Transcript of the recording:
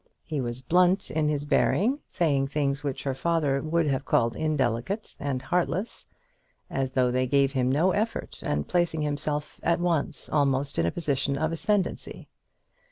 He was blunt in his bearing, saying things which her father would have called indelicate and heartless, as though they gave him no effort, and placing himself at once almost in a position of ascendency.